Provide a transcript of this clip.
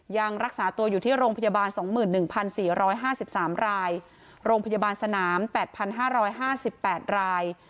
ยังรักษาตัวอยู่ที่โรงพยาบาล๒๑๔๕๓รายโรงพยาบาลสนาม๘๕๕๘ราย